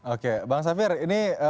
oke bang safir ini